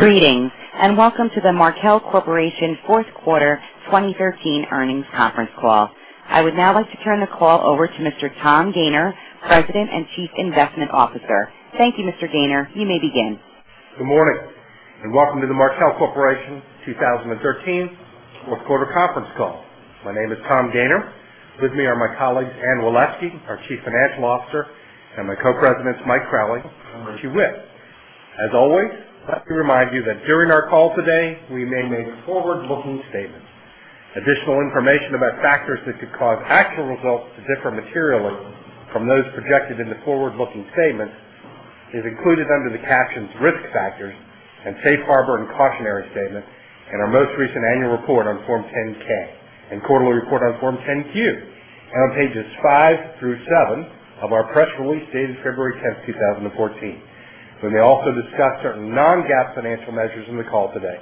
Greetings, welcome to the Markel Corporation fourth quarter 2013 earnings conference call. I would now like to turn the call over to Mr. Tom Gayner, President and Chief Investment Officer. Thank you, Mr. Gayner. You may begin. Good morning, welcome to the Markel Corporation 2013 fourth quarter conference call. My name is Tom Gayner. With me are my colleagues, Anne G. Waleski, our Chief Financial Officer, and my co-presidents, Mike Crowley and Richie Whitt. As always, let me remind you that during our call today, we may make forward-looking statements. Additional information about factors that could cause actual results to differ materially from those projected in the forward-looking statements is included under the captions "Risk Factors" and "Safe Harbor and Cautionary Statements" in our most recent annual report on Form 10-K and quarterly report on Form 10-Q, and on pages five through seven of our press release dated February 10th, 2014. We may also discuss certain non-GAAP financial measures in the call today.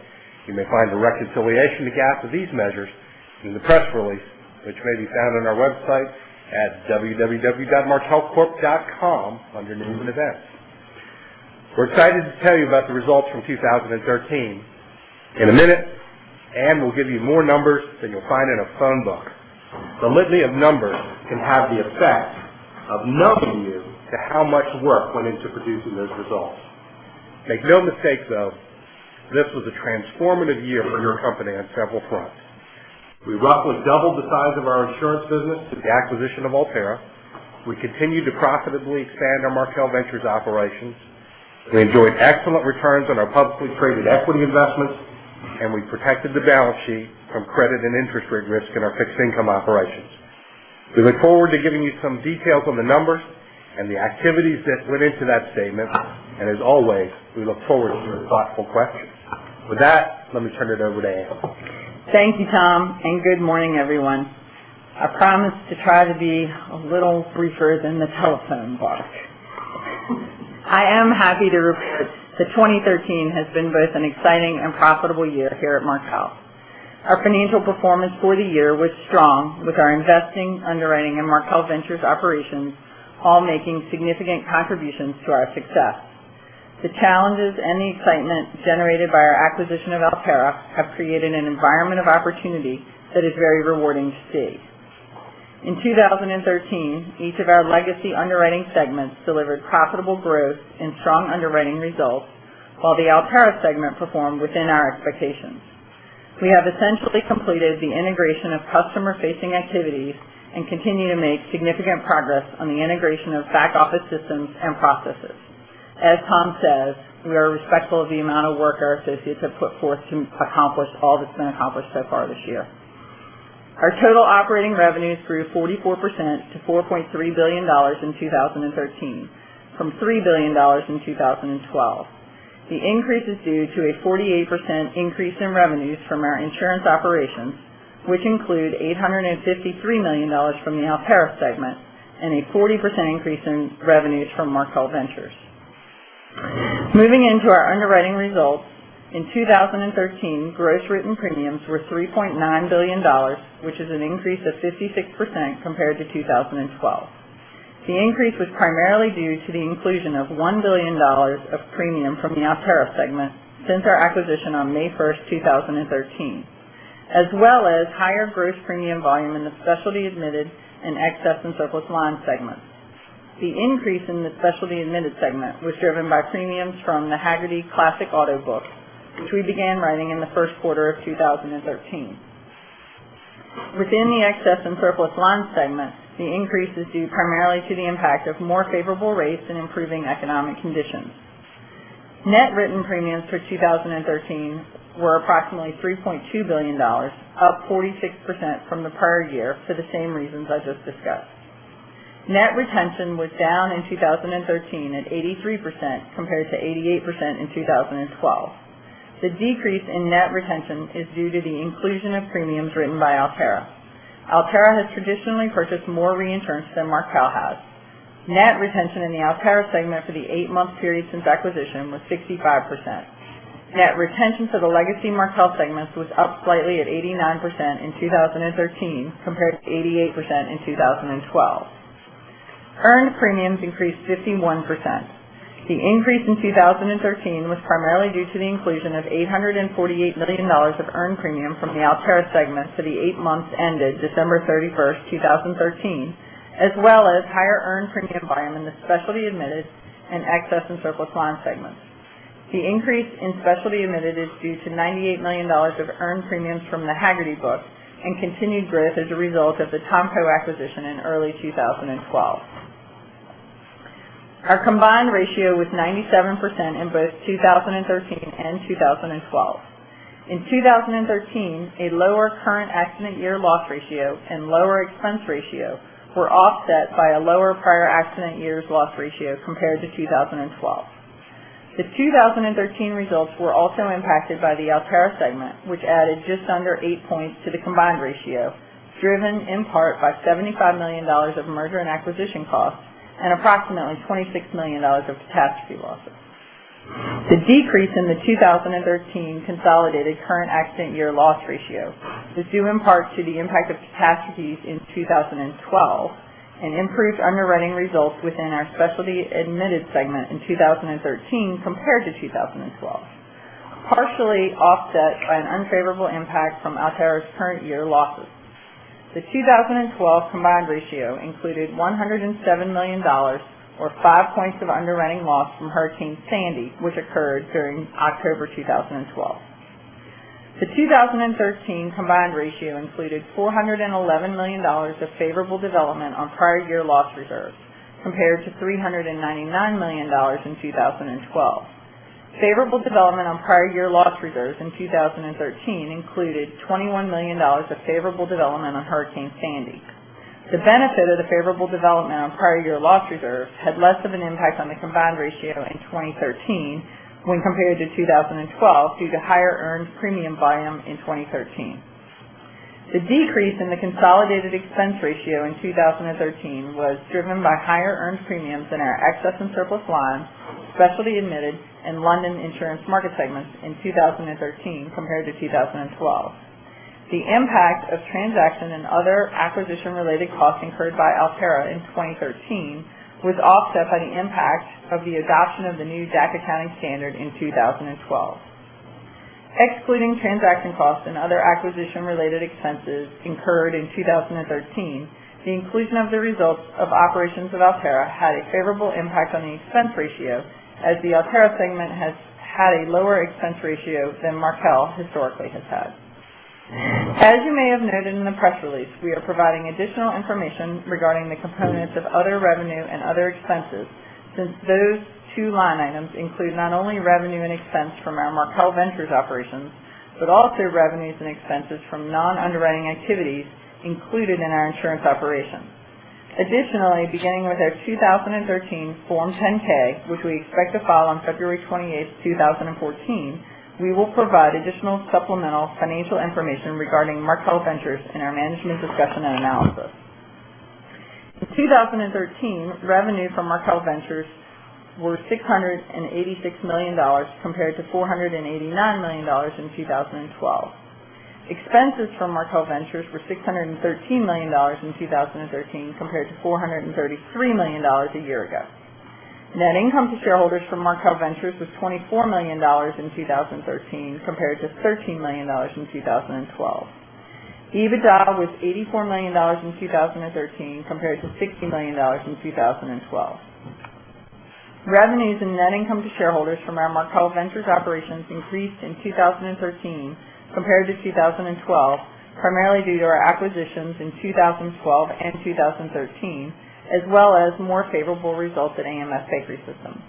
You may find a reconciliation to GAAP of these measures in the press release, which may be found on our website at www.markelcorp.com under News and Events. We're excited to tell you about the results from 2013. In a minute, Anne will give you more numbers than you'll find in a phone book. The litany of numbers can have the effect of numbing you to how much work went into producing those results. Make no mistake, though, this was a transformative year for your company on several fronts. We roughly doubled the size of our insurance business with the acquisition of Alterra. We continued to profitably expand our Markel Ventures operations. We enjoyed excellent returns on our publicly traded equity investments, we protected the balance sheet from credit and interest rate risk in our fixed income operations. We look forward to giving you some details on the numbers the activities that went into that statement, as always, we look forward to your thoughtful questions. With that, let me turn it over to Anne. Thank you, Tom, and good morning, everyone. I promise to try to be a little briefer than the telephone book. I am happy to report that 2013 has been both an exciting and profitable year here at Markel. Our financial performance for the year was strong, with our investing, underwriting, and Markel Ventures operations all making significant contributions to our success. The challenges and the excitement generated by our acquisition of Alterra have created an environment of opportunity that is very rewarding to see. In 2013, each of our legacy underwriting segments delivered profitable growth and strong underwriting results, while the Alterra segment performed within our expectations. We have essentially completed the integration of customer-facing activities and continue to make significant progress on the integration of back office systems and processes. As Tom says, we are respectful of the amount of work our associates have put forth to accomplish all that's been accomplished so far this year. Our total operating revenues grew 44% to $4.3 billion in 2013 from $3 billion in 2012. The increase is due to a 48% increase in revenues from our insurance operations, which include $853 million from the Alterra segment and a 40% increase in revenues from Markel Ventures. Moving into our underwriting results, in 2013, gross written premiums were $3.9 billion, which is an increase of 56% compared to 2012. The increase was primarily due to the inclusion of $1 billion of premium from the Alterra segment since our acquisition on May 1st, 2013, as well as higher gross premium volume in the specialty admitted and excess and surplus line segments. The increase in the specialty admitted segment was driven by premiums from the Hagerty Classic Auto book, which we began writing in the first quarter of 2013. Within the excess and surplus line segment, the increase is due primarily to the impact of more favorable rates and improving economic conditions. Net written premiums for 2013 were approximately $3.2 billion, up 46% from the prior year for the same reasons I just discussed. Net retention was down in 2013 at 83% compared to 88% in 2012. The decrease in net retention is due to the inclusion of premiums written by Alterra. Alterra has traditionally purchased more reinsurance than Markel has. Net retention in the Alterra segment for the eight-month period since acquisition was 65%. Net retention for the legacy Markel segments was up slightly at 89% in 2013 compared to 88% in 2012. Earned premiums increased 51%. The increase in 2013 was primarily due to the inclusion of $848 million of earned premium from the Alterra segment for the eight months ended December 31st, 2013, as well as higher earned premium volume in the specialty admitted and excess and surplus line segments. The increase in specialty admitted is due to $98 million of earned premiums from the Hagerty book and continued growth as a result of the THOMCO acquisition in early 2012. Our combined ratio was 97% in both 2013 and 2012. In 2013, a lower current accident year loss ratio and lower expense ratio were offset by a lower prior accident years loss ratio compared to 2012. The 2013 results were also impacted by the Alterra segment, which added just under eight points to the combined ratio, driven in part by $75 million of merger and acquisition costs and approximately $26 million of catastrophe losses. The decrease in the 2013 consolidated current accident year loss ratio was due in part to the impact of catastrophes in 2012 and improved underwriting results within our specialty admitted segment in 2013 compared to 2012. Partially offset by an unfavorable impact from Alterra's current year losses. The 2012 combined ratio included $107 million, or five points of underwriting loss from Hurricane Sandy, which occurred during October 2012. The 2013 combined ratio included $411 million of favorable development on prior year loss reserves, compared to $399 million in 2012. Favorable development on prior year loss reserves in 2013 included $21 million of favorable development on Hurricane Sandy. The benefit of the favorable development on prior year loss reserves had less of an impact on the combined ratio in 2013 when compared to 2012, due to higher earned premium volume in 2013. The decrease in the consolidated expense ratio in 2013 was driven by higher earned premiums in our excess and surplus lines, specialty admitted in London insurance market segments in 2013 compared to 2012. The impact of transaction and other acquisition-related costs incurred by Alterra in 2013 was offset by the impact of the adoption of the new DAC accounting standard in 2012. Excluding transaction costs and other acquisition-related expenses incurred in 2013, the inclusion of the results of operations of Alterra had a favorable impact on the expense ratio, as the Alterra segment has had a lower expense ratio than Markel historically has had. As you may have noted in the press release, we are providing additional information regarding the components of other revenue and other expenses, since those two line items include not only revenue and expense from our Markel Ventures operations, but also revenues and expenses from non-underwriting activities included in our insurance operations. Additionally, beginning with our 2013 Form 10-K, which we expect to file on February 28th, 2014, we will provide additional supplemental financial information regarding Markel Ventures in our management discussion and analysis. In 2013, revenue from Markel Ventures were $686 million compared to $489 million in 2012. Expenses from Markel Ventures were $613 million in 2013 compared to $433 million a year ago. Net income to shareholders from Markel Ventures was $24 million in 2013 compared to $13 million in 2012. EBITDA was $84 million in 2013 compared to $16 million in 2012. Revenues and net income to shareholders from our Markel Ventures operations increased in 2013 compared to 2012, primarily due to our acquisitions in 2012 and 2013, as well as more favorable results at AMF Bakery Systems.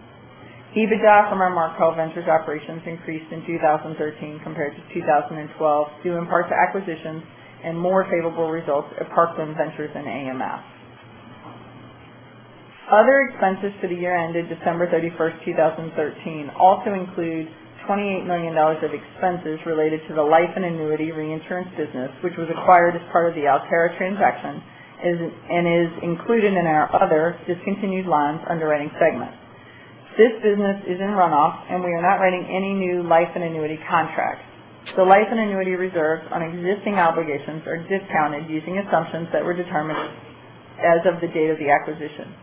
EBITDA from our Markel Ventures operations increased in 2013 compared to 2012, due in part to acquisitions and more favorable results at ParkLand Ventures and AMF. Other expenses for the year ended December 31st, 2013, also include $28 million of expenses related to the life and annuity reinsurance business, which was acquired as part of the Alterra transaction and is included in our other discontinued lines underwriting segment. This business is in runoff, and we are not writing any new life and annuity contracts. The life and annuity reserves on existing obligations are discounted using assumptions that were determined as of the date of the acquisition.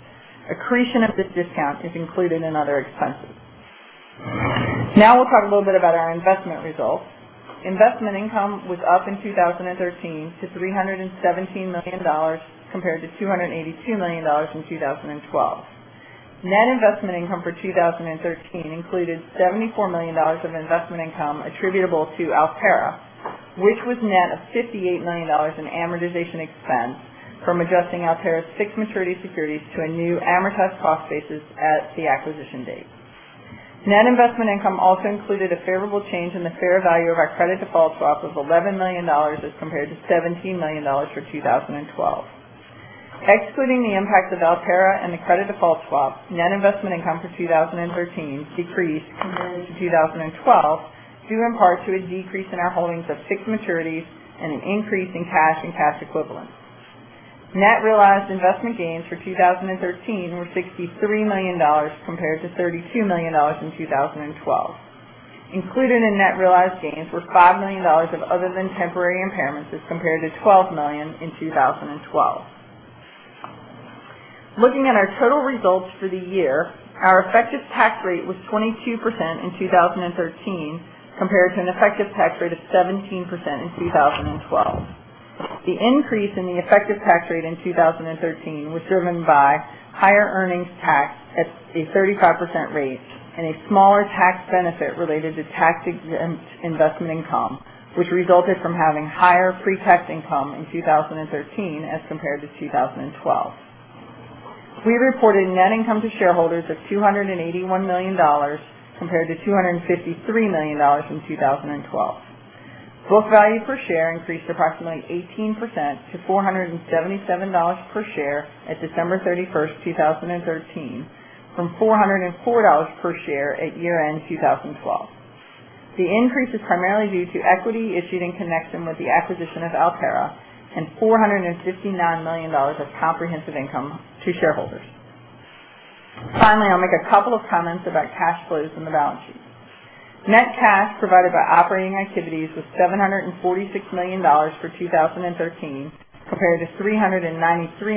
Accretion of this discount is included in other expenses. Now we'll talk a little bit about our investment results. Investment income was up in 2013 to $317 million compared to $282 million in 2012. Net investment income for 2013 included $74 million of investment income attributable to Alterra, which was net of $58 million in amortization expense from adjusting Alterra's fixed-maturity securities to a new amortized cost basis at the acquisition date. Net investment income also included a favorable change in the fair value of our credit default swap of $11 million as compared to $17 million for 2012. Excluding the impact of Alterra and the credit default swap, net investment income for 2013 decreased compared to 2012, due in part to a decrease in our holdings of fixed maturities and an increase in cash and cash equivalents. Net realized investment gains for 2013 were $63 million compared to $32 million in 2012. Included in net realized gains were $5 million of other-than-temporary impairments as compared to $12 million in 2012. Looking at our total results for the year, our effective tax rate was 22% in 2013 compared to an effective tax rate of 17% in 2012. The increase in the effective tax rate in 2013 was driven by higher earnings taxed at a 35% rate and a smaller tax benefit related to tax-exempt investment income, which resulted from having higher pre-tax income in 2013 as compared to 2012. We reported net income to shareholders of $281 million compared to $253 million in 2012. Book value per share increased approximately 18% to $477 per share at December 31st, 2013, from $404 per share at year-end 2012. The increase is primarily due to equity issued in connection with the acquisition of Alterra and $459 million of comprehensive income to shareholders. Finally, I'll make a couple of comments about cash flows and the balance sheet. Net cash provided by operating activities was $746 million for 2013, compared to $393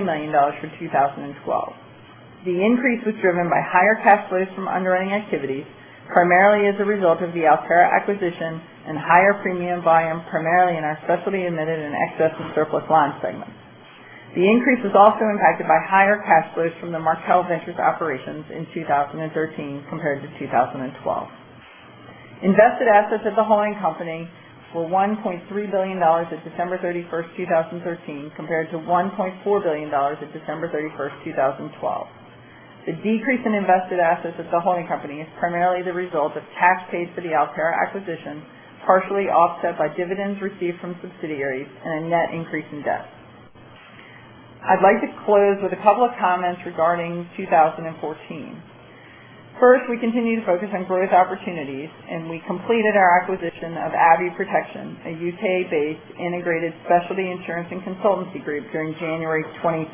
million for 2012. The increase was driven by higher cash flows from underwriting activities, primarily as a result of the Alterra acquisition and higher premium volume, primarily in our specialty admitted and excess and surplus line segments. The increase was also impacted by higher cash flows from the Markel Ventures operations in 2013 compared to 2012. Invested assets of the holding company were $1.3 billion at December 31, 2013, compared to $1.4 billion at December 31, 2012. The decrease in invested assets of the holding company is primarily the result of tax paid for the Alterra acquisition, partially offset by dividends received from subsidiaries and a net increase in debt. I'd like to close with a couple of comments regarding 2014. First, we continue to focus on growth opportunities, and we completed our acquisition of Abbey Protection, a U.K.-based integrated specialty insurance and consultancy group during January 2014.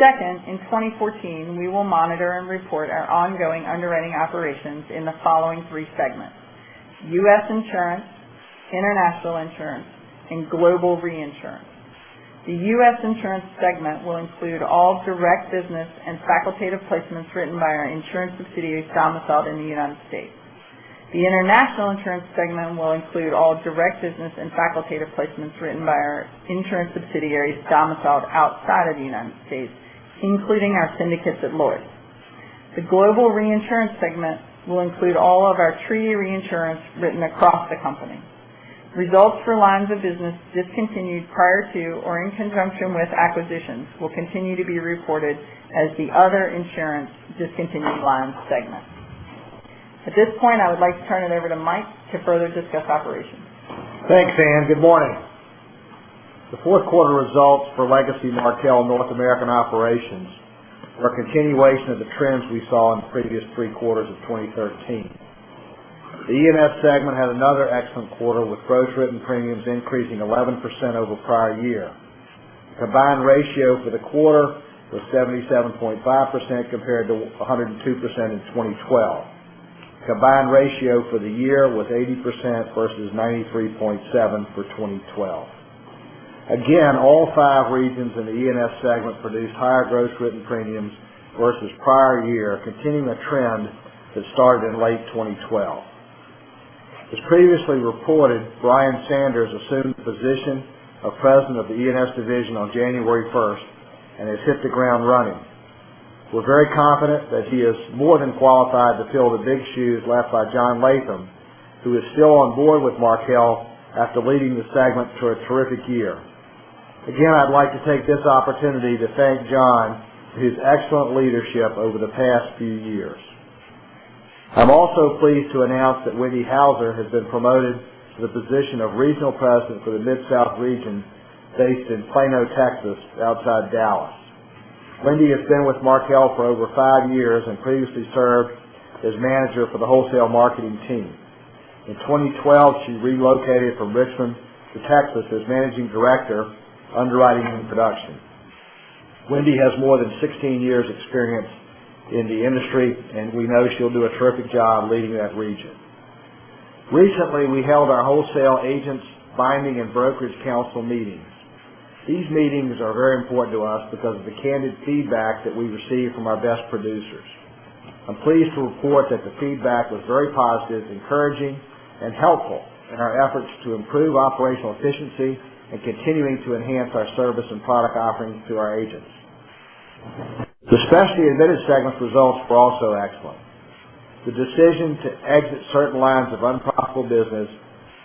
Second, in 2014, we will monitor and report our ongoing underwriting operations in the following three segments: U.S. insurance, international insurance, and global reinsurance. The U.S. insurance segment will include all direct business and facultative placements written by our insurance subsidiaries domiciled in the United States. The international insurance segment will include all direct business and facultative placements written by our insurance subsidiaries domiciled outside of the United States, including our syndicates at Lloyd's. The global reinsurance segment will include all of our treaty reinsurance written across the company. Results for lines of business discontinued prior to or in conjunction with acquisitions will continue to be reported as the other insurance discontinued lines segment. At this point, I would like to turn it over to Mike to further discuss operations. Thanks, Ann. Good morning. The fourth quarter results for legacy Markel North American operations are a continuation of the trends we saw in the previous three quarters of 2013. The E&S segment had another excellent quarter, with gross written premiums increasing 11% over prior year. Combined ratio for the quarter was 77.5% compared to 102% in 2012. Combined ratio for the year was 80% versus 93.7% for 2012. Again, all five regions in the E&S segment produced higher gross written premiums versus prior year, continuing a trend that started in late 2012. As previously reported, Bryan Sanders assumed the position of President of the E&S division on January 1st and has hit the ground running. We're very confident that he is more than qualified to fill the big shoes left by John Latham, who is still on board with Markel after leading the segment to a terrific year. I'd like to take this opportunity to thank John for his excellent leadership over the past few years. I'm also pleased to announce that Wendy Houser has been promoted to the position of Regional President for the Mid-South region based in Plano, Texas, outside Dallas. Wendy has been with Markel for over five years and previously served as manager for the wholesale marketing team. In 2012, she relocated from Richmond to Texas as Managing Director, Underwriting and Production. Wendy has more than 16 years experience in the industry, and we know she'll do a terrific job leading that region. Recently, we held our wholesale agents' Binding and Brokerage Council meetings. These meetings are very important to us because of the candid feedback that we receive from our best producers. I'm pleased to report that the feedback was very positive, encouraging, and helpful in our efforts to improve operational efficiency and continuing to enhance our service and product offerings to our agents. The specialty admitted segment results were also excellent. The decision to exit certain lines of unprofitable business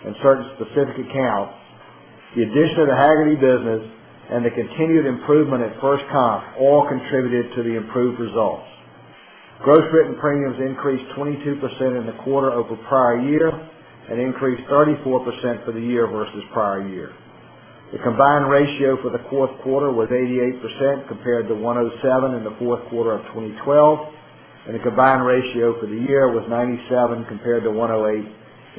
and certain specific accounts, the addition of the Hagerty business, and the continued improvement at FirstComp all contributed to the improved results. Gross written premiums increased 22% in the quarter over prior year and increased 34% for the year versus prior year. The combined ratio for the fourth quarter was 88% compared to 107% in the fourth quarter of 2012, and the combined ratio for the year was 97% compared to 108%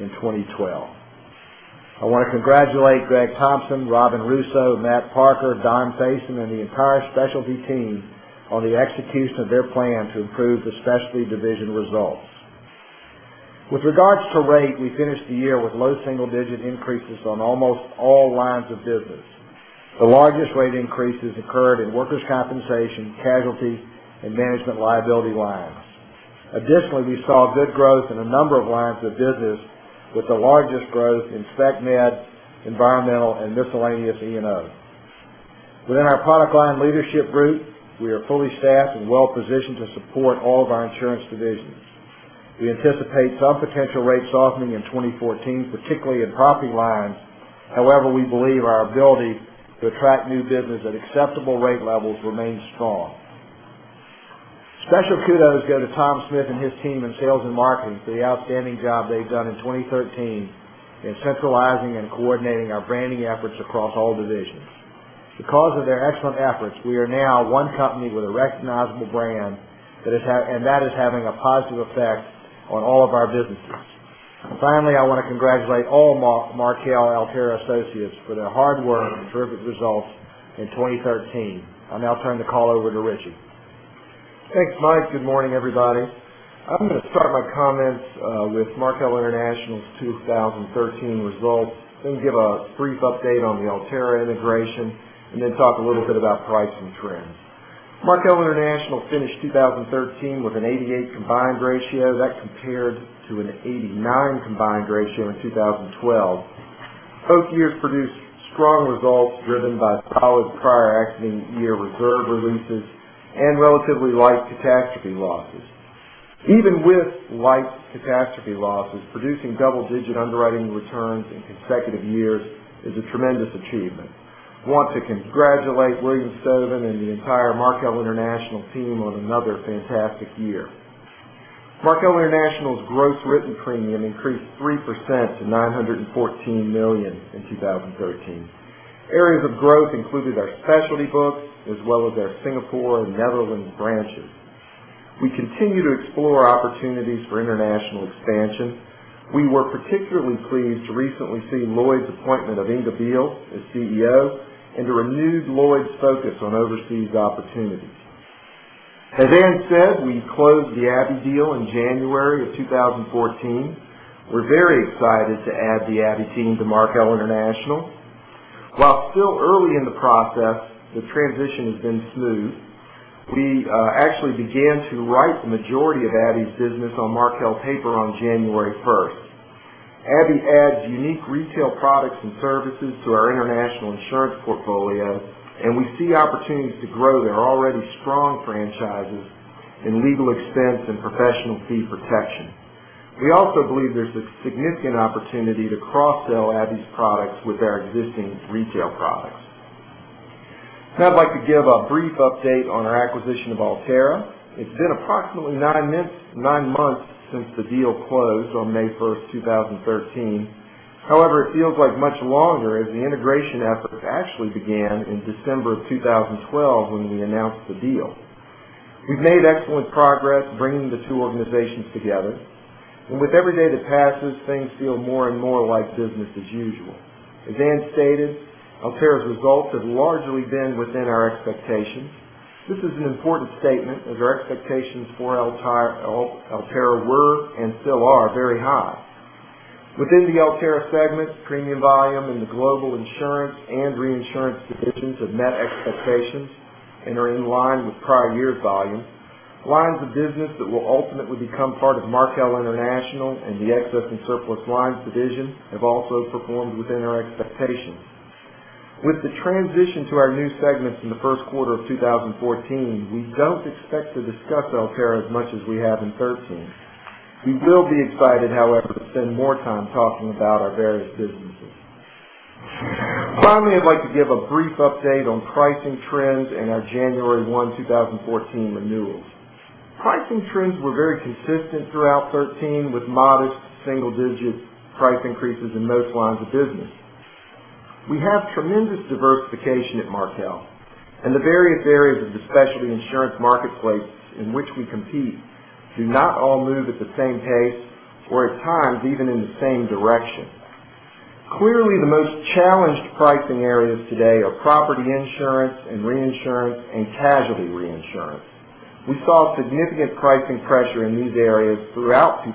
in 2012. I want to congratulate Greg Thompson, Robin Russo, Matt Parker, Don Faison, and the entire specialty team on the execution of their plan to improve the specialty division results. With regards to rate, we finished the year with low single-digit increases on almost all lines of business. The largest rate increases occurred in workers' compensation, casualty, and management liability lines. Additionally, we saw good growth in a number of lines of business with the largest growth in spec med, environmental, and miscellaneous E&O. Within our product line leadership group, we are fully staffed and well-positioned to support all of our insurance divisions. We anticipate some potential rate softening in 2014, particularly in property lines. However, we believe our ability to attract new business at acceptable rate levels remains strong. Special kudos go to Tom Smith and his team in sales and marketing for the outstanding job they've done in 2013 in centralizing and coordinating our branding efforts across all divisions. Because of their excellent efforts, we are now one company with a recognizable brand, and that is having a positive effect on all of our businesses. Finally, I want to congratulate all Markel Alterra associates for their hard work and terrific results in 2013. I'll now turn the call over to Richie. Thanks, Mike. Good morning, everybody. I'm going to start my comments with Markel International's 2013 results, then give a brief update on the Alterra integration, and then talk a little bit about pricing trends. Markel International finished 2013 with an 88 combined ratio. That compared to an 89 combined ratio in 2012. Both years produced strong results driven by solid prior accident year reserve releases and relatively light catastrophe losses. Even with light catastrophe losses, producing double-digit underwriting returns in consecutive years is a tremendous achievement. I want to congratulate William Stovin and the entire Markel International team on another fantastic year. Markel International's gross written premium increased 3% to $914 million in 2013. Areas of growth included our specialty books as well as our Singapore and Netherlands branches. We continue to explore opportunities for international expansion. We were particularly pleased to recently see Lloyd's appointment of Inga Beale as CEO and a renewed Lloyd's focus on overseas opportunities. As Ann said, we closed the Abbey deal in January of 2014. We're very excited to add the Abbey team to Markel International. While still early in the process, the transition has been smooth. We actually began to write the majority of Abbey's business on Markel paper on January 1st. Abbey adds unique retail products and services to our international insurance portfolio, and we see opportunities to grow their already strong franchises in legal expense and professional fee protection. We also believe there's a significant opportunity to cross-sell Abbey's products with our existing retail products. Now I'd like to give a brief update on our acquisition of Alterra. It's been approximately nine months since the deal closed on May 1st, 2013. It feels like much longer as the integration efforts actually began in December 2012 when we announced the deal. We've made excellent progress bringing the two organizations together, and with every day that passes, things feel more and more like business as usual. As Ann stated, Alterra's results have largely been within our expectations. This is an important statement as our expectations for Alterra were, and still are, very high. Within the Alterra segment, premium volume in the global insurance and reinsurance divisions have met expectations and are in line with prior year's volume. Lines of business that will ultimately become part of Markel International and the excess and surplus lines division have also performed within our expectations. With the transition to our new segments in the first quarter 2014, we don't expect to discuss Alterra as much as we have in 2013. We will be excited, however, to spend more time talking about our various businesses. Finally, I'd like to give a brief update on pricing trends and our January 1, 2014 renewals. Pricing trends were very consistent throughout 2013, with modest single-digit price increases in most lines of business. We have tremendous diversification at Markel, and the various areas of the specialty insurance marketplace in which we compete do not all move at the same pace or at times even in the same direction. Clearly, the most challenged pricing areas today are property insurance and reinsurance and casualty reinsurance. We saw significant pricing pressure in these areas throughout 2013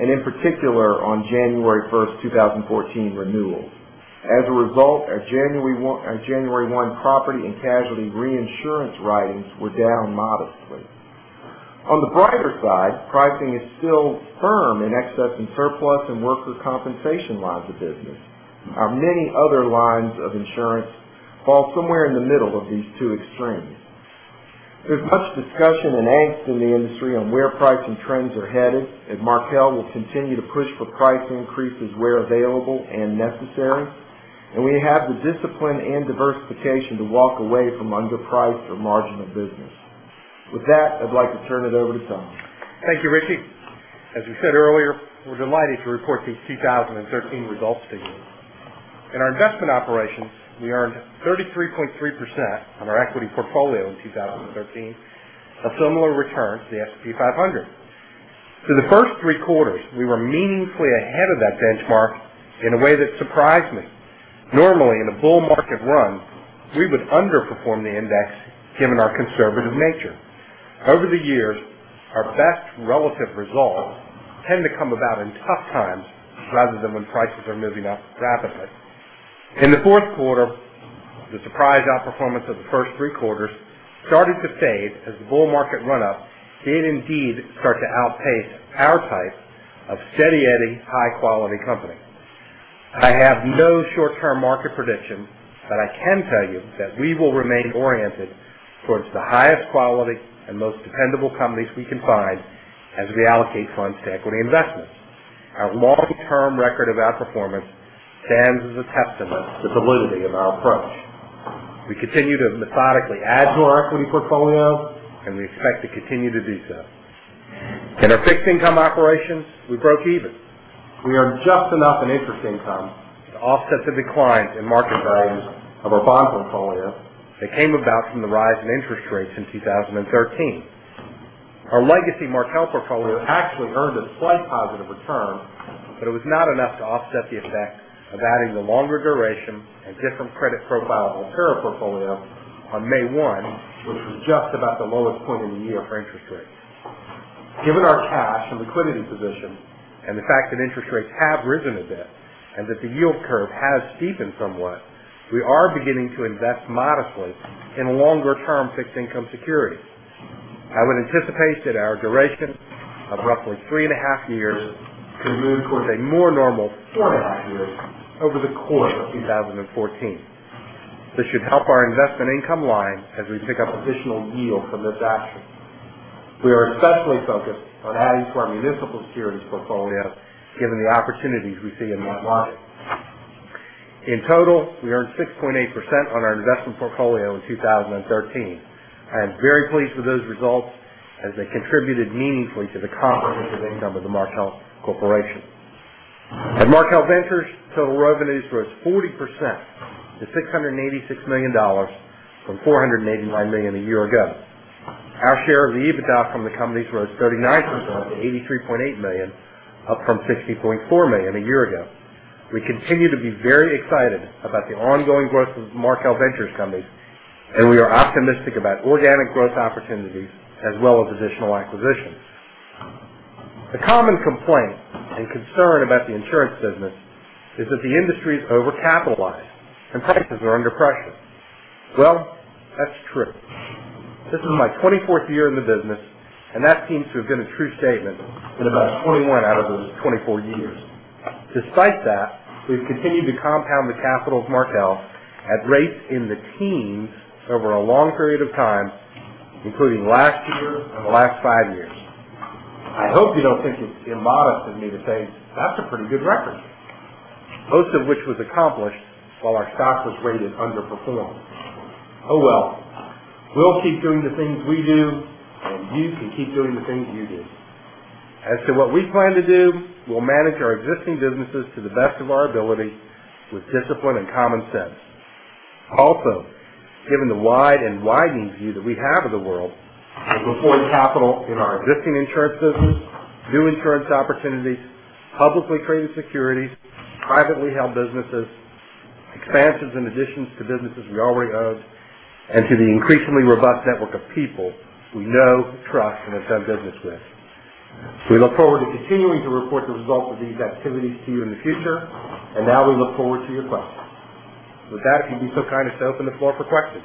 and in particular on January 1, 2014 renewals. As a result, our January 1 property and casualty reinsurance writings were down modestly. On the brighter side, pricing is still firm in excess and surplus and workers' compensation lines of business. Our many other lines of insurance fall somewhere in the middle of these two extremes. There's much discussion and angst in the industry on where pricing trends are headed. Markel will continue to push for price increases where available and necessary, and we have the discipline and diversification to walk away from underpriced or marginal business. With that, I'd like to turn it over to Tom. Thank you, Richie. As you said earlier, we're delighted to report these 2013 results to you. In our investment operations, we earned 33.3% on our equity portfolio in 2013, a similar return to the S&P 500. Through the first three quarters, we were meaningfully ahead of that benchmark in a way that surprised me. Normally, in a bull market run, we would underperform the index given our conservative nature. Over the years, our best relative results tend to come about in tough times rather than when prices are moving up rapidly. In the fourth quarter, the surprise outperformance of the first three quarters started to fade as the bull market run-up did indeed start to outpace our type of steady Eddie high-quality company. I have no short-term market prediction. I can tell you that we will remain oriented towards the highest quality and most dependable companies we can find as we allocate funds to equity investments. Our long-term record of outperformance stands as a testament to the validity of our approach. We continue to methodically add to our equity portfolio. We expect to continue to do so. In our fixed income operations, we broke even. We earned just enough in interest income to offset the decline in market values of our bond portfolio that came about from the rise in interest rates in 2013. Our legacy Markel portfolio actually earned a slight positive return. It was not enough to offset the effect of adding the longer duration and different credit profile of the Alterra portfolio on May 1, which was just about the lowest point of the year for interest rates. Given our cash and liquidity position, the fact that interest rates have risen a bit, that the yield curve has steepened somewhat, we are beginning to invest modestly in longer-term fixed income securities. I would anticipate that our duration of roughly three and a half years could move towards a more normal four and a half years over the course of 2014. This should help our investment income line as we pick up additional yield from this action. We are especially focused on adding to our municipal securities portfolio, given the opportunities we see in that market. In total, we earned 6.8% on our investment portfolio in 2013. I am very pleased with those results as they contributed meaningfully to the comprehensive income of the Markel Corporation. At Markel Ventures, total revenues rose 40% to $686 million from $489 million a year ago. Our share of the EBITDA from the companies rose 39% to $83.8 million, up from $50.4 million a year ago. We continue to be very excited about the ongoing growth of Markel Ventures companies. We are optimistic about organic growth opportunities as well as additional acquisitions. A common complaint and concern about the insurance business is that the industry is overcapitalized and prices are under pressure. Well, that's true. This is my 24th year in the business, and that seems to have been a true statement in about 21 out of those 24 years. Despite that, we've continued to compound the capital of Markel at rates in the teens over a long period of time, including last year and the last five years. I hope you don't think it's immodest of me to say that's a pretty good record. Most of which was accomplished while our stock was rated underperform. Oh, well. We'll keep doing the things we do. You can keep doing the things you do. As to what we plan to do, we'll manage our existing businesses to the best of our ability with discipline and common sense. Given the wide and widening view that we have of the world, we deploy capital in our existing insurance business, new insurance opportunities, publicly traded securities, privately held businesses, expansions and additions to businesses we already own, and to the increasingly robust network of people we know, trust, and have done business with. We look forward to continuing to report the results of these activities to you in the future. Now we look forward to your questions. If you'd be so kind as to open the floor for questions.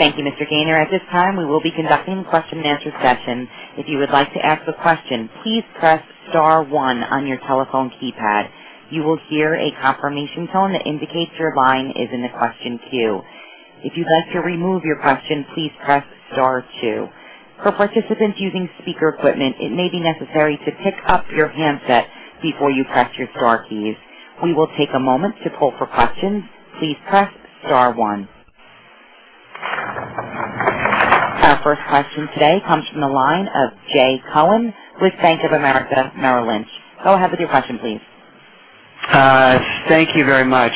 Thank you, Mr. Gayner. At this time, we will be conducting a question and answer session. If you would like to ask a question, please press star 1 on your telephone keypad. You will hear a confirmation tone that indicates your line is in the question queue. If you'd like to remove your question, please press star 2. For participants using speaker equipment, it may be necessary to pick up your handset before you press your star keys. We will take a moment to poll for questions. Please press star 1. Our first question today comes from the line of Jay Cohen with Bank of America Merrill Lynch. Go ahead with your question, please. Thank you very much.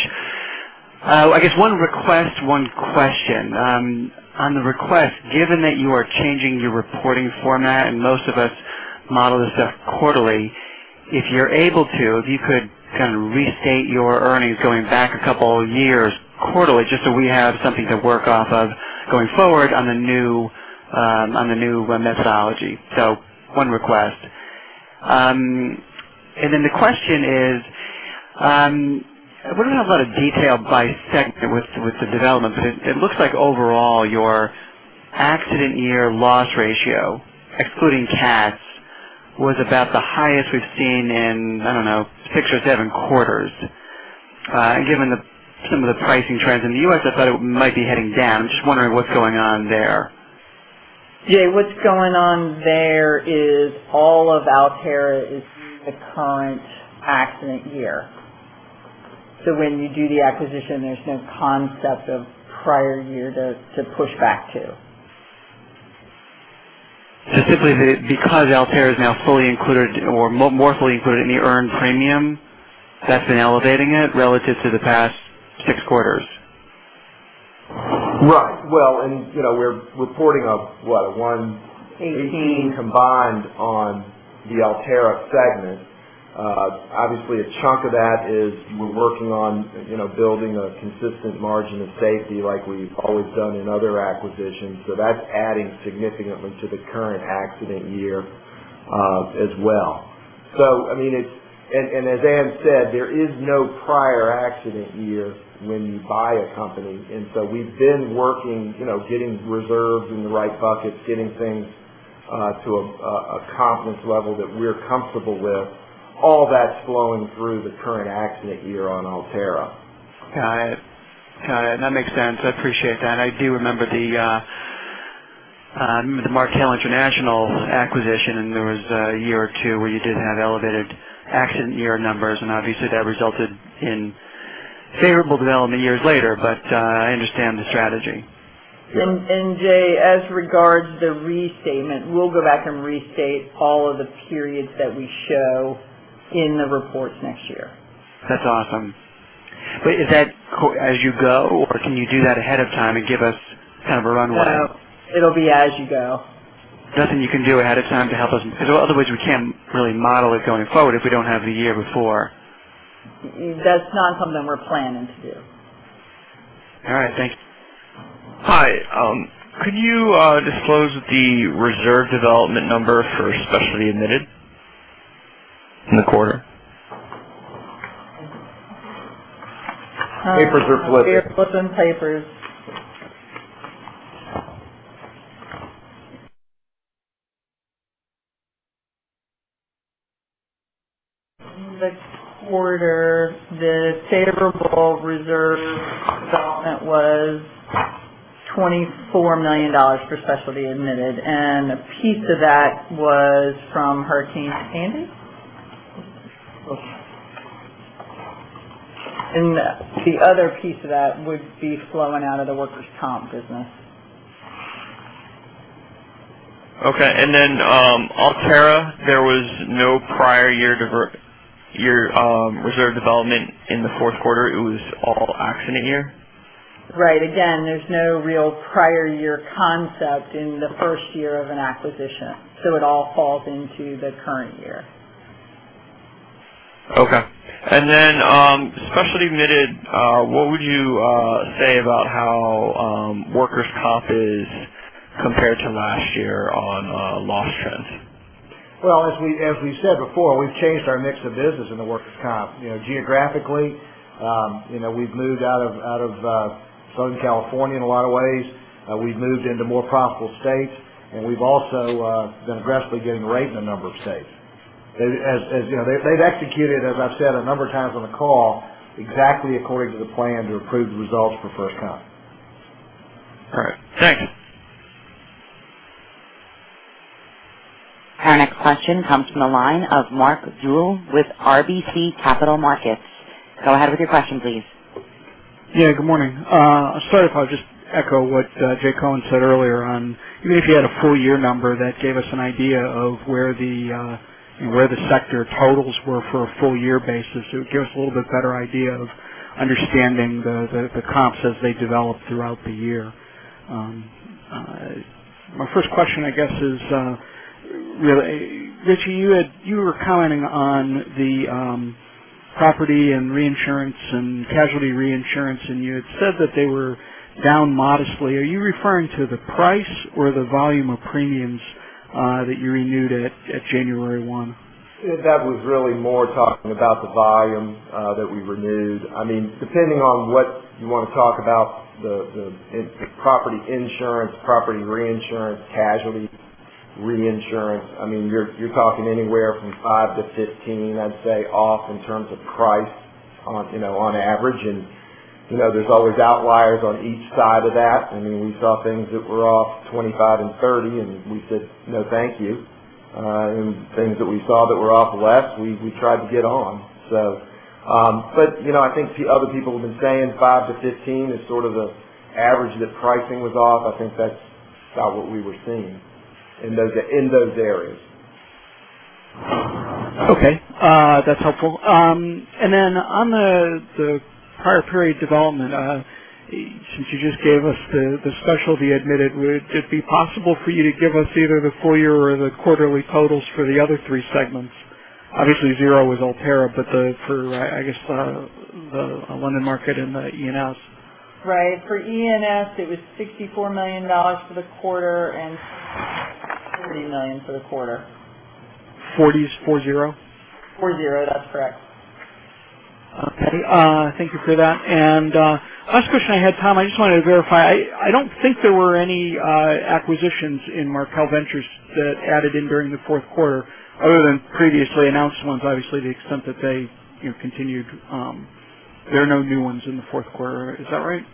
I guess one request, one question. On the request, given that you are changing your reporting format and most of us model this stuff quarterly, if you're able to, if you could restate your earnings going back a couple of years quarterly, just so we have something to work off of going forward on the new methodology. One request. The question is, we don't have a lot of detail by segment with the development, but it looks like overall, your accident year loss ratio, excluding cats, was about the highest we've seen in, I don't know, six or seven quarters. Given some of the pricing trends in the U.S., I thought it might be heading down. I'm just wondering what's going on there. Jay, what's going on there is all of Alterra is the current accident year. When you do the acquisition, there's no concept of prior year to push back to. Simply because Alterra is now more fully included in the earned premium, that's been elevating it relative to the past six quarters. Right. Well, we're reporting a Eighteen 18 combined on the Alterra segment. Obviously, a chunk of that is we're working on building a consistent margin of safety like we've always done in other acquisitions. That's adding significantly to the current accident year as well. As Anne said, there is no prior accident year when you buy a company. We've been working, getting reserves in the right buckets, getting things to a confidence level that we're comfortable with. All that's flowing through the current accident year on Alterra. Got it. That makes sense. I appreciate that. I do remember the Markel International acquisition, there was a year or two where you did have elevated accident year numbers, obviously, that resulted in favorable development years later. I understand the strategy. Yeah. Jay, as regards the restatement, we'll go back and restate all of the periods that we show in the reports next year. That's awesome. Is that as you go, or can you do that ahead of time and give us kind of a runway? It'll be as you go. Nothing you can do ahead of time to help us? Otherwise we can't really model it going forward if we don't have the year before. That's not something we're planning to do. All right. Thank you. Hi. Could you disclose the reserve development number for specialty admitted in the quarter? Papers are flipping. We are flipping papers. In the quarter, the favorable reserve development was $24 million for specialty admitted, a piece of that was from Hurricane Sandy. The other piece of that would be flowing out of the workers' comp business. Okay. Alterra, there was no prior year reserve development in the fourth quarter. It was all accident year. Right. Again, there's no real prior year concept in the first year of an acquisition, so it all falls into the current year. Okay. specialty admitted, what would you say about how workers' comp is compared to last year on loss trends? Well, as we said before, we've changed our mix of business in the workers' comp. Geographically we've moved out of Southern California in a lot of ways. We've moved into more profitable states. We've also been aggressively gaining rate in a number of states. They've executed, as I've said a number of times on the call, exactly according to the plan to improve the results for FirstComp. All right. Thank you. Our next question comes from the line of Mark Dwelle with RBC Capital Markets. Go ahead with your question, please. Yeah, good morning. I'll start if I just echo what Jay Cohen said earlier on, maybe if you had a full year number that gave us an idea of where the sector totals were for a full year basis. It would give us a little bit better idea of understanding the comps as they developed throughout the year. My first question, I guess, is, Richie, you were commenting on the property and reinsurance and casualty reinsurance. You had said that they were down modestly. Are you referring to the price or the volume of premiums that you renewed at January 1? That was really more talking about the volume that we renewed. Depending on what you want to talk about, the property insurance, property reinsurance, casualty reinsurance, you're talking anywhere from 5%-15%, I'd say, off in terms of price on average. There's always outliers on each side of that. We saw things that were off 25% and 30%. We said, "No, thank you." Things that we saw that were off less, we tried to get on. I think other people have been saying 5%-15% is sort of the average that pricing was off. I think that's about what we were seeing in those areas. Okay. That's helpful. On the prior period development, since you just gave us the specialty admitted, would it be possible for you to give us either the full year or the quarterly totals for the other three segments? Obviously, zero with Alterra, but for, I guess, the London market and the E&S. Right. For E&S, it was $64 million for the quarter and $40 million for the quarter. 40 is 4-0? 40. That's correct. Okay. Thank you for that. Last question I had, Tom, I just wanted to verify. I don't think there were any acquisitions in Markel Ventures that added in during the fourth quarter other than previously announced ones. Obviously, to the extent that they continued. There are no new ones in the fourth quarter. Is that right?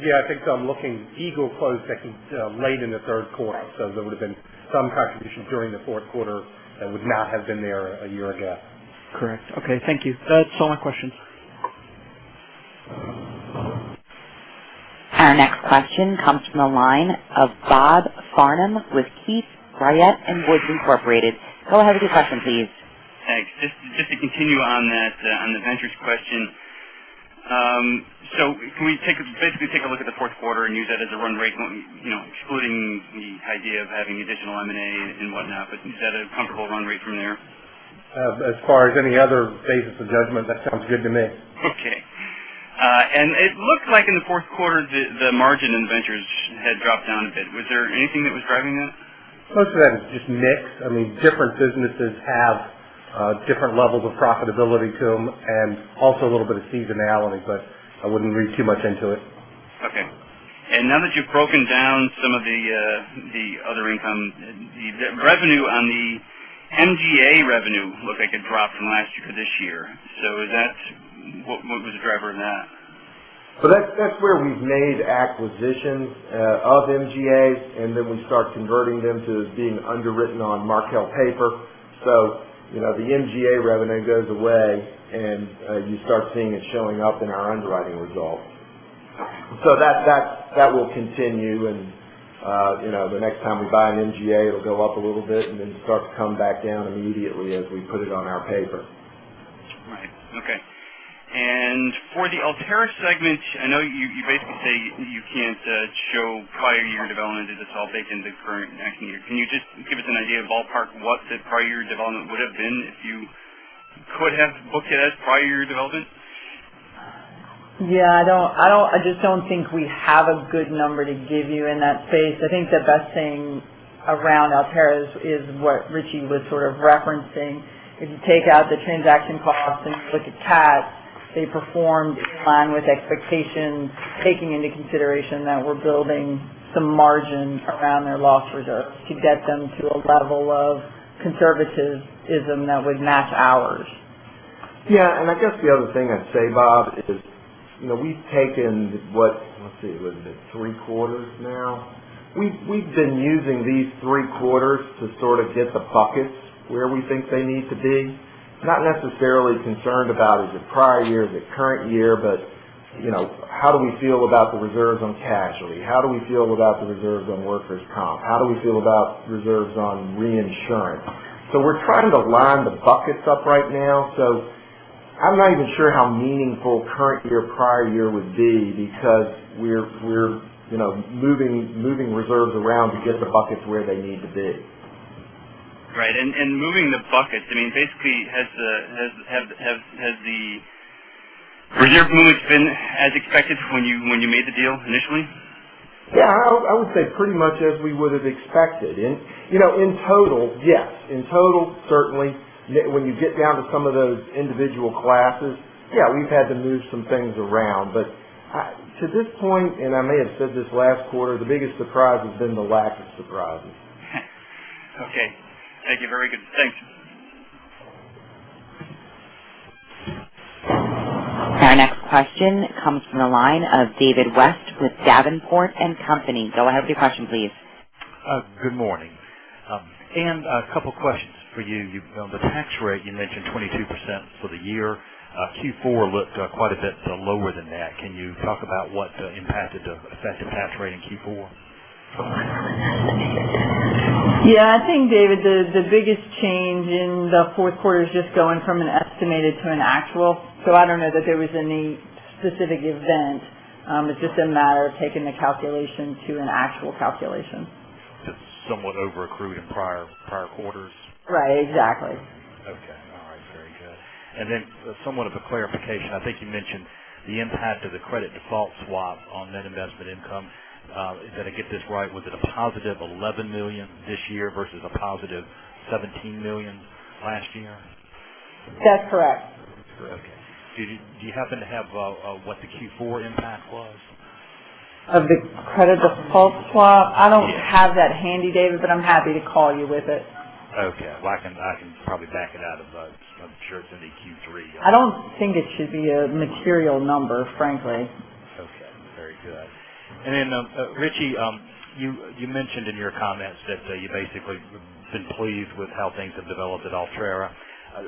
Yeah, I think I'm looking. Eagle closed late in the third quarter. There would've been some contribution during the fourth quarter that would not have been there a year ago. Correct. Okay. Thank you. That's all my questions. Our next question comes from the line of Robert Farnam with Keefe, Bruyette & Woods, Inc.. Go ahead with your question, please. Thanks. Just to continue on the ventures question. Can we basically take a look at the fourth quarter and use that as a run rate, excluding the idea of having additional M&A and whatnot, but is that a comfortable run rate from there? As far as any other basis of judgment, that sounds good to me. It looked like in the fourth quarter, the margin in ventures had dropped down a bit. Was there anything that was driving that? Most of that is just mix. Different businesses have different levels of profitability to them and also a little bit of seasonality, but I wouldn't read too much into it. Okay. Now that you've broken down some of the other income, the MGA revenue looked like it dropped from last year to this year. What was the driver in that? That's where we've made acquisitions of MGAs, and then we start converting them to being underwritten on Markel paper. The MGA revenue goes away, and you start seeing it showing up in our underwriting results. That will continue, and the next time we buy an MGA, it'll go up a little bit and then start to come back down immediately as we put it on our paper. Right. Okay. For the Alterra segment, I know you basically say you can't show prior year development. It is all based in the current and next year. Can you just give us an idea of ballpark what the prior year development would've been if you could have booked it as prior year development? I just don't think we have a good number to give you in that space. I think the best thing around Alterra is what Richie was sort of referencing. If you take out the transaction costs and you look at CAS, they performed in line with expectations, taking into consideration that we're building some margin around their loss reserve to get them to a level of conservatism that would match ours. I guess the other thing I'd say, Bob, is we've taken, what, let's see, what is it, three quarters now? We've been using these three quarters to sort of get the buckets where we think they need to be. Not necessarily concerned about is it prior year, is it current year, but how do we feel about the reserves on casualty? How do we feel about the reserves on workers' comp? How do we feel about reserves on reinsurance? We're trying to line the buckets up right now. I'm not even sure how meaningful current year, prior year would be because we're moving reserves around to get the buckets where they need to be. Right. Moving the buckets, basically, has the reserve movements been as expected when you made the deal initially? I would say pretty much as we would've expected. In total, yes. In total, certainly. When you get down to some of those individual classes, yeah, we've had to move some things around. To this point, and I may have said this last quarter, the biggest surprise has been the lack of surprises. Okay. Thank you. Very good. Thanks. Our next question comes from the line of David West with Davenport & Company. Go ahead with your question, please. Good morning. Anne, a couple questions for you. On the tax rate, you mentioned 22% for the year. Q4 looked quite a bit lower than that. Can you talk about what impacted the effective tax rate in Q4? Yeah. I think, David, the biggest change in the fourth quarter is just going from an estimated to an actual. I don't know that there was any specific event. It's just a matter of taking the calculation to an actual calculation. Just somewhat over-accrued in prior quarters? Right. Exactly. Okay. All right. Very good. Somewhat of a clarification. I think you mentioned the impact of the credit default swap on net investment income. Did I get this right? Was it a positive $11 million this year versus a positive $17 million last year? That's correct. Okay. Do you happen to have what the Q4 impact was? Of the credit default swap? Yes. I don't have that handy, David, but I'm happy to call you with it. Okay. Well, I can probably back it out above. I'm sure it's in the Q3. I don't think it should be a material number, frankly. Okay. Very good. Then, Richie, you mentioned in your comments that you basically have been pleased with how things have developed at Alterra.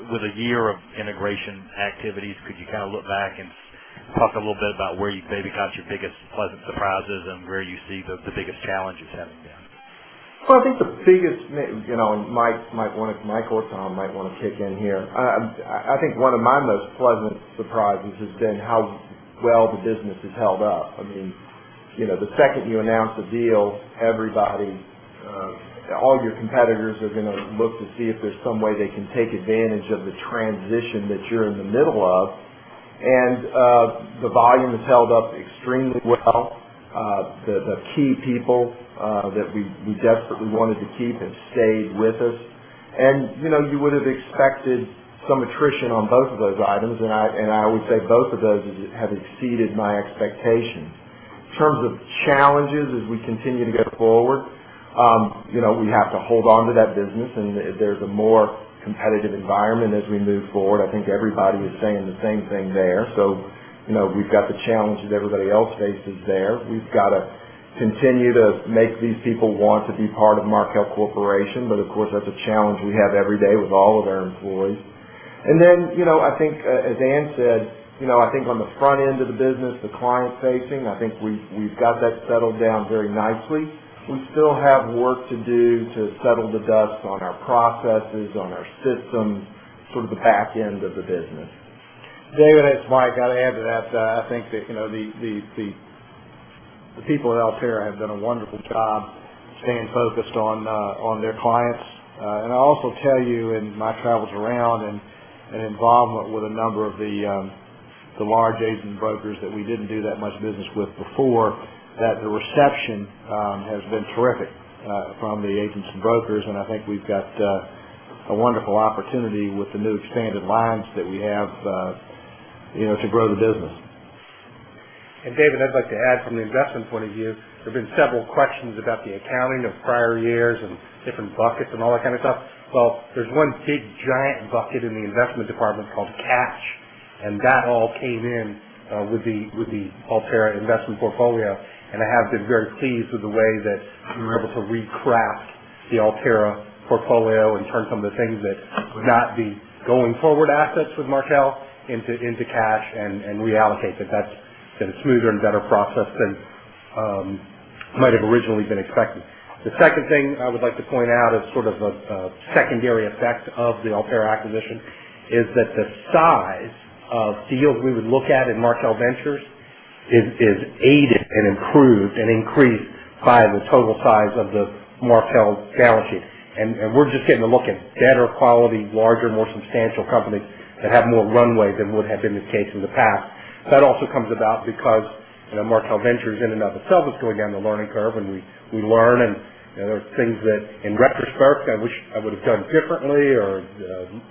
With a year of integration activities, could you kind of look back and talk a little bit about where you maybe got your biggest pleasant surprises and where you see the biggest challenges have been? Mike or Tom might want to kick in here. I think one of my most pleasant surprises has been how well the business has held up. The second you announce a deal, all your competitors are going to look to see if there's some way they can take advantage of the transition that you're in the middle of. The volume has held up extremely well. The key people that we desperately wanted to keep have stayed with us. You would've expected some attrition on both of those items. I would say both of those have exceeded my expectations. In terms of challenges as we continue to go forward, we have to hold onto that business, and there's a more competitive environment as we move forward. I think everybody is saying the same thing there. We've got the challenges everybody else faces there. We've got to continue to make these people want to be part of Markel Corporation, of course, that's a challenge we have every day with all of our employees. Then, I think, as Anne said, I think on the front end of the business, the client-facing, I think we've got that settled down very nicely. We still have work to do to settle the dust on our processes, on our systems, sort of the back end of the business. David, it's Mike. Got to add to that. I think that the people at Alterra have done a wonderful job staying focused on their clients. I'll also tell you, in my travels around and involvement with a number of the large agent brokers that we didn't do that much business with before, that the reception has been terrific from the agents and brokers. I think we've got a wonderful opportunity with the new expanded lines that we have to grow the business. David, I'd like to add from the investment point of view, there's been several questions about the accounting of prior years and different buckets and all that kind of stuff. Well, there's one big giant bucket in the investment department called cash, and that all came in with the Alterra investment portfolio. I have been very pleased with the way that we were able to recraft the Alterra portfolio and turn some of the things that would not be going-forward assets with Markel into cash and reallocate that. That's been a smoother and better process than might have originally been expected. The second thing I would like to point out as sort of a secondary effect of the Alterra acquisition is that the size of deals we would look at in Markel Ventures is aided and improved and increased by the total size of the Markel balance sheet. We're just getting to look at better quality, larger, more substantial companies that have more runway than would have been the case in the past. That also comes about because Markel Ventures in and of itself is going down the learning curve, and we learn, and there are things that in retrospect I wish I would have done differently or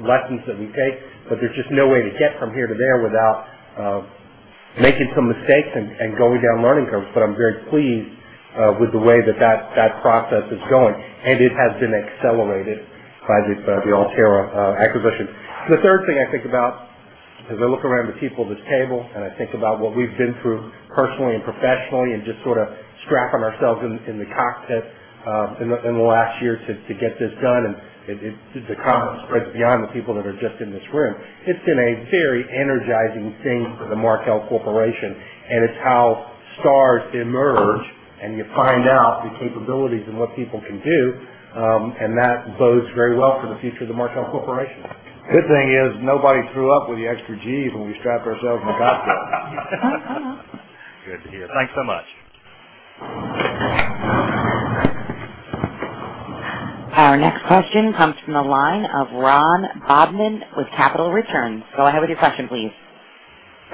lessons that we take, there's just no way to get from here to there without making some mistakes and going down learning curves. I'm very pleased with the way that process is going, and it has been accelerated by the Alterra acquisition. The third thing I think about as I look around the people at this table, and I think about what we've been through personally and professionally and just sort of strapping ourselves in the cockpit in the last year to get this done. The comment spreads beyond the people that are just in this room. It's been a very energizing thing for the Markel Corporation, and it's how stars emerge, and you find out the capabilities and what people can do. That bodes very well for the future of the Markel Corporation. Good thing is, nobody threw up with the extra Gs when we strapped ourselves in the cockpit. Good to hear. Thanks so much. Our next question comes from the line of Ron Bobman with Capital Returns. Go ahead with your question, please.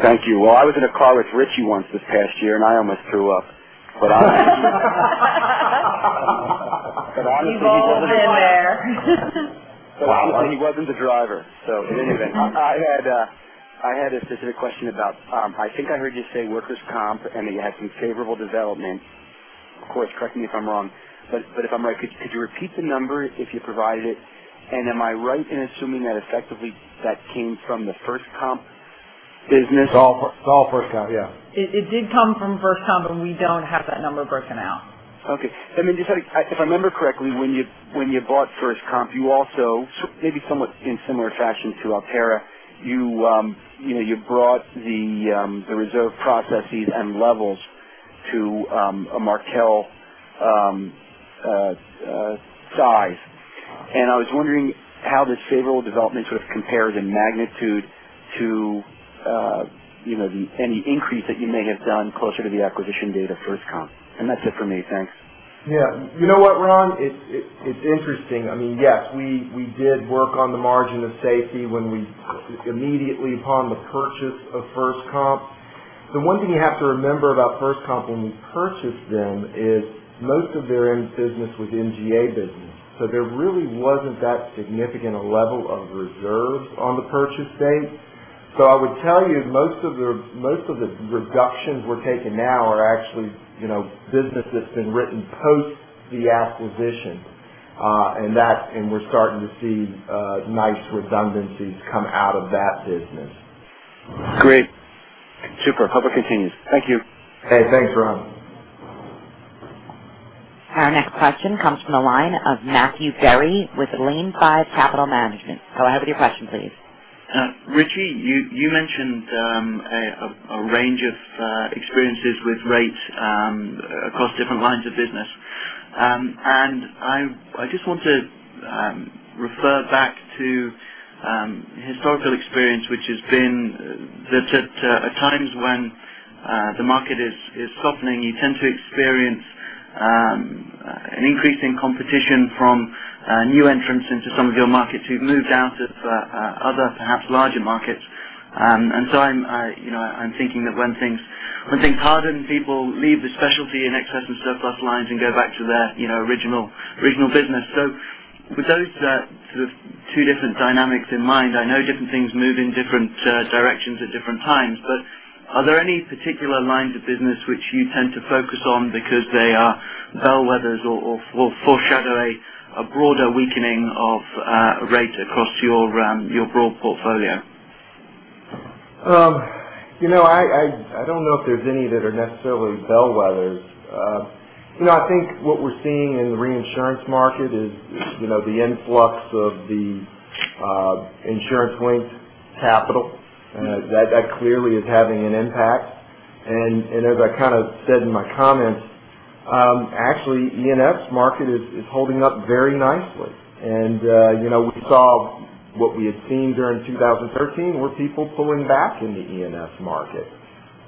Thank you. Well, I was in a car with Richie once this past year, and I almost threw up. We've all been there. Honestly, he wasn't the driver. In any event, I had a specific question about, I think I heard you say workers' comp, and that you had some favorable developments. Of course, correct me if I'm wrong, but if I'm right, could you repeat the number if you provided it, and am I right in assuming that effectively that came from the FirstComp business? It's all FirstComp, yeah. It did come from FirstComp, we don't have that number broken out. Okay. If I remember correctly, when you bought FirstComp, you also maybe in similar fashion to Alterra, you brought the reserve processes and levels to a Markel size. I was wondering how this favorable development sort of compares in magnitude to any increase that you may have done closer to the acquisition date of FirstComp. That's it for me. Thanks. Yeah. You know what, Ron? It's interesting. Yes, we did work on the margin of safety immediately upon the purchase of FirstComp. The one thing you have to remember about FirstComp when we purchased them is most of their business was MGA business. There really wasn't that significant a level of reserve on the purchase date. I would tell you, most of the reductions we're taking now are actually business that's been written post the acquisition. We're starting to see nice redundancies come out of that business. Great. Super. Hope it continues. Thank you. Hey, thanks, Ron. Our next question comes from the line of Matthew Berry with Lane Five Capital Management. Go ahead with your question, please. Richie, you mentioned a range of experiences with rates across different lines of business. I just want to refer back to historical experience, which has been that at times when the market is softening, you tend to experience an increase in competition from new entrants into some of your markets who've moved out of other, perhaps larger markets. I'm thinking that when things harden, people leave the specialty and excess and surplus lines and go back to their original business. With those sort of two different dynamics in mind, I know different things move in different directions at different times, but are there any particular lines of business which you tend to focus on because they are bellwethers or will foreshadow a broader weakening of rate across your broad portfolio? I don't know if there's any that are necessarily bellwethers. I think what we're seeing in the reinsurance market is the influx of the insurance-linked capital. That clearly is having an impact. As I kind of said in my comments, actually, E&S market is holding up very nicely. We saw what we had seen during 2013, were people pulling back in the E&S market,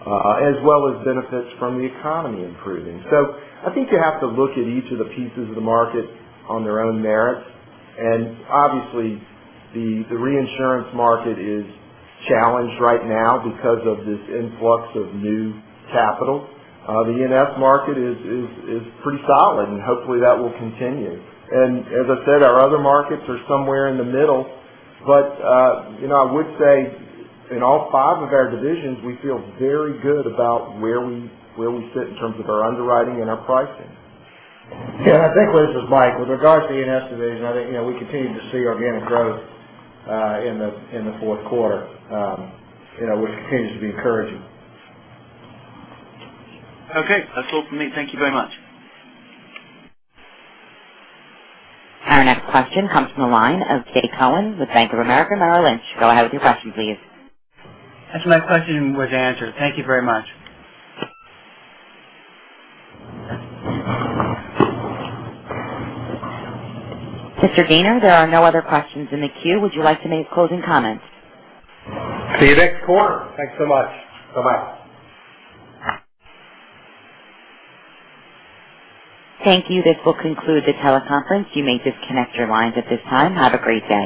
as well as benefits from the economy improving. I think you have to look at each of the pieces of the market on their own merits. Obviously, the reinsurance market is challenged right now because of this influx of new capital. The E&S market is pretty solid, and hopefully, that will continue. As I said, our other markets are somewhere in the middle. I would say in all five of our divisions, we feel very good about where we sit in terms of our underwriting and our pricing. I think, this is Mike, with regards to E&S division, I think we continue to see organic growth in the fourth quarter. Which continues to be encouraging. Okay, that's all from me. Thank you very much. Our next question comes from the line of Jay Cohen with Bank of America Merrill Lynch. Go ahead with your question, please. Actually, my question was answered. Thank you very much. Mr. Gayner, there are no other questions in the queue. Would you like to make closing comments? See you next quarter. Thanks so much. Bye-bye. Thank you. This will conclude the teleconference. You may disconnect your lines at this time. Have a great day.